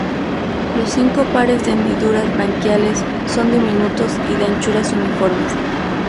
Los cinco pares de hendiduras branquiales son diminutos y de anchuras uniformes.